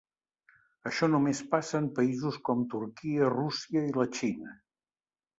Això només passa en països com Turquia, Rússia i la Xina.